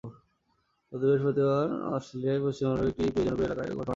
গত বৃহস্পতিবার অস্ট্রেলিয়ার পশ্চিমাঞ্চলের একটি জনপ্রিয় পর্যটক এলাকায় এই ঘটনা ঘটে।